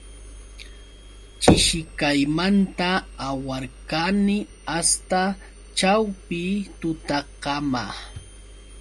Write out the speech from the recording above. Chishikaymanta awarqani asta ćhawpi tutakama.